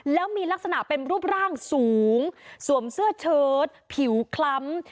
แล้วมีลักษณะเป็นรูปร่างสูงสวมเสื้อเชิดผิวคล้ำ